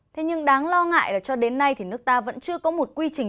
thế nhưng đáng lo ngại là cho đến nay thì nước ta vẫn chưa có một quy trình